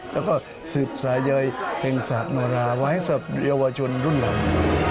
แล้วก็สืบสายยยแห่งศาลโนราไว้สำหรับเยาวชนรุ่นหลัง